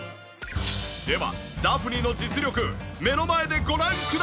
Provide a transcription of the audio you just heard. ではダフニの実力目の前でご覧ください！